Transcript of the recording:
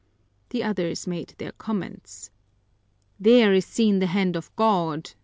The others made their comments. "There is seen the hand of God!"